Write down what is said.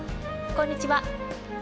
こんにちは。